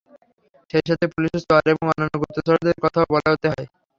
সেই সাথে পুলিশের চর এবং অন্যান্য গুপ্তচরদের কথাও বলতে হয়।